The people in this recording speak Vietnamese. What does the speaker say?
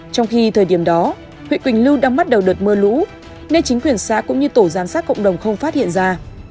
trong khi thời điểm đó huyện quỳnh lưu đang bắt đầu đợt mưa lũ nên chính quyền xã cũng như tổ giám sát cộng đồng không phát hiện ra